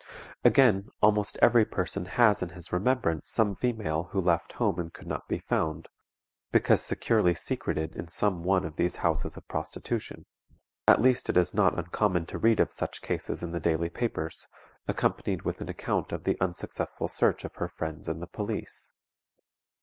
Again, almost every person has in his remembrance some female who left home and could not be found, because securely secreted in some one of these houses of prostitution; at least it is not uncommon to read of such cases in the daily papers, accompanied with an account of the unsuccessful search of her friends and the police.